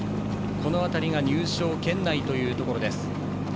この辺りが入賞圏内というところ。